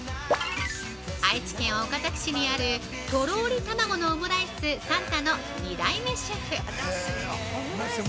愛知県岡崎市にある「とろりたまごのオムライスさん太」の２代目シェフ！